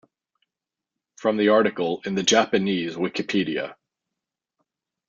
"From the article in the Japanese Wikipedia"